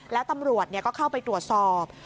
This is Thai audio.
แล้วตำรวจก็เข้าไปตรวจสอบ